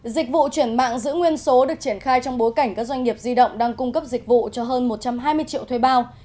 dịch vụ chuyển mạng giữ nguyên số được triển khai trong bối cảnh các doanh nghiệp di động đang cung cấp dịch vụ cho hơn một trăm hai mươi triệu thuê bao